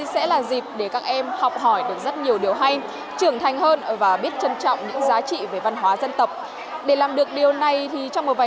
xin chào và hẹn gặp lại trong các bài hát tiếp theo